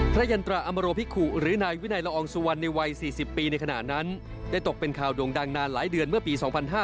ยันตราอมโรภิกุหรือนายวินัยละอองสุวรรณในวัย๔๐ปีในขณะนั้นได้ตกเป็นข่าวโด่งดังนานหลายเดือนเมื่อปี๒๕๕๙